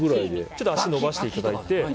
ちょっと足を伸ばしていただいて。